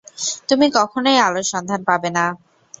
তুমি কখনই আলোর সন্ধান পাবে না!